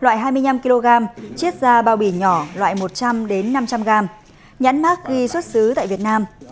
loại hai mươi năm kg chiết ra bao bì nhỏ loại một trăm linh năm trăm linh gram nhãn mát ghi xuất xứ tại việt nam